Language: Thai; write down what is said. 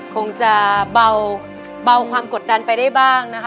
คงจะเบาความกดดันไปได้บ้างนะคะ